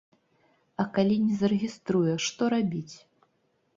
А калі не зарэгіструе, што рабіць?